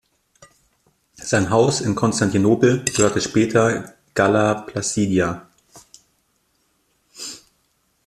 Sein Haus in Konstantinopel gehörte später Galla Placidia.